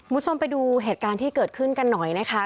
คุณผู้ชมไปดูเหตุการณ์ที่เกิดขึ้นกันหน่อยนะคะ